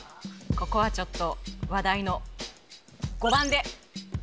ここはちょっと話題の５番？